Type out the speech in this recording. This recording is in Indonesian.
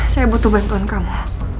saya butuh bantuan kamu